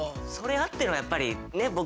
それあってのやっぱりね